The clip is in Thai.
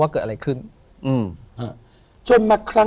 ถูกต้องไหมครับถูกต้องไหมครับ